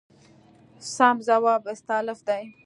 سم ځواب استالف دی.